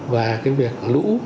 và cái việc lũ